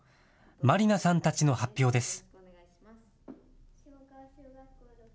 まりなさんたちの発表です。